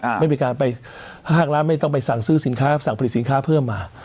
ไม่มีการไปห้างร้านไม่ต้องไปสั่งซื้อสินค้าสั่งผลิตสินค้าเพิ่มมา